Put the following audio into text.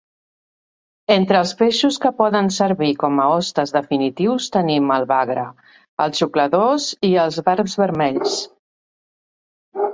Entre els peixos que poden servir com a hostes definitius, tenim el bagra, els xucladors i els barbs vermells.